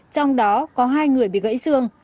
trong đó có hai người bị gãy xương